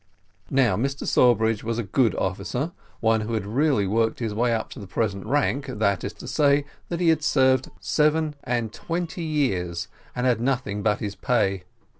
Now Mr Sawbridge was a good officer, one who had really worked his way up to the present rank, that is to say, that he had served seven and twenty years, and had nothing but his pay.